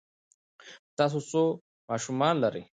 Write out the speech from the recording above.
تاسو څو ماشومان لرئ؟